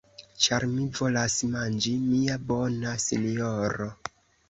Ĉar mi volas manĝi, mia bona sinjoro.